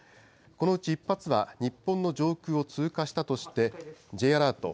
このうち１発は日本の上空を通過したとして、Ｊアラート